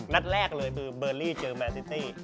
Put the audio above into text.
นัดแรกเลยคือเบอร์รี่เจอแมนซิตี้